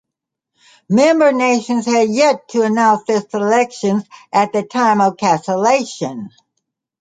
Member nations had yet to announce their selections at the time of cancellation.